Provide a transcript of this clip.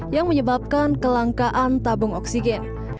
yang menyebabkan kelangkaan tabung oksigen